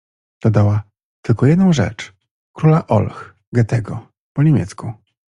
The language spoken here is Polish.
Dodała: — Tylko jedną rzecz: „Króla Olch” Goethego po nie miecku.